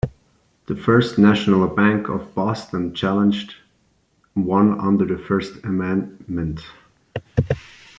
The First National Bank of Boston challenged won under the first amendment.